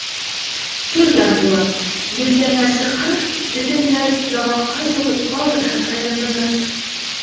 Көлгән була, елкәңә сыҡһа, бөтөнләй ямаҡай булып ҡалырһың әле бына.